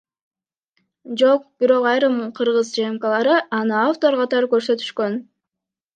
Жок, бирок айрым кыргыз ЖМКлары аны автор катары көрсөтүшкөн.